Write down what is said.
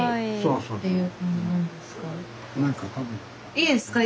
いいですか？